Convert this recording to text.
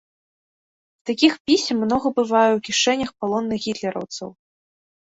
Такіх пісем многа бывае ў кішэнях палонных гітлераўцаў.